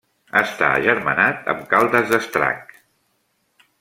Està agermanat amb Caldes d'Estrac.